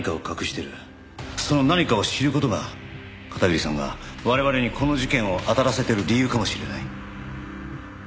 その何かを知る事が片桐さんが我々にこの事件をあたらせてる理由かもしれない。